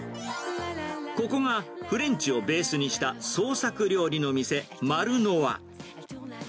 ここがフレンチをベースにした創作料理の店、マルノワ。